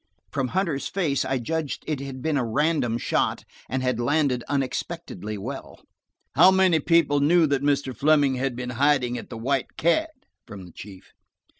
From Hunter's face I judged it had been a random shot, and had landed unexpectedly well. "How many people knew that Mr. Fleming had been hiding at the White Cat?" from the chief.